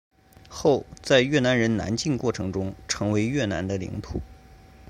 后在越南人南进过程中成为越南的领土。